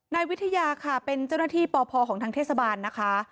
นายวิทยาค่ะเป็นเจ้าหน้าที่ปพของทางเทศบาลนะคะ